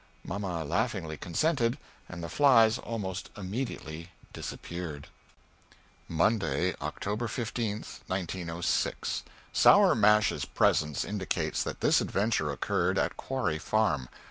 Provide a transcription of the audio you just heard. Mamma laughingly consented and the flies almost immediately dissapeared. [Monday, October 15, 1906.] Sour Hash's presence indicates that this adventure occurred at Quarry Farm.